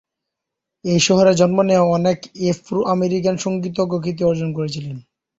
এ শহরে জন্ম নেওয়া অনেক আফ্রো-আমেরিকান সংগীতজ্ঞ খ্যাতি অর্জন করেছিলেন।